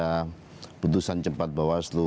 keputusan cepat bawah selu